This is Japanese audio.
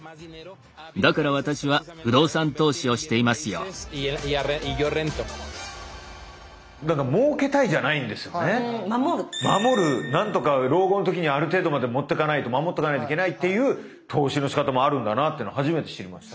こちらはメキシコのご家族なんとか老後の時にある程度までもってかないと守っとかないといけないという投資のしかたもあるんだなっていうの初めて知りました。